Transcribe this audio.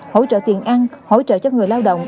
hỗ trợ tiền ăn hỗ trợ cho người lao động